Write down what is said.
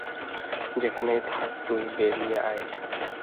যেখানেই থাক তুই, বেড়িয়ে আয়।